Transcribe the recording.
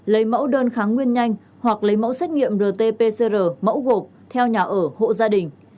lấy mẫu đơn kháng nguyên nhanh hoặc lấy mẫu xét nghiệm rt pcr mẫu gộp theo nhà ở hộ gia đình